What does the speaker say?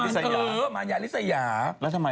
เออมายาริสยาแล้วทำไม